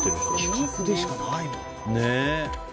企画でしかないもんな。